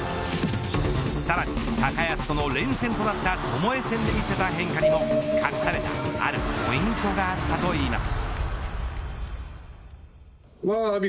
さらに高安との連戦となったともえ戦で見せた変化でも隠されたあるポイントがあったといいます。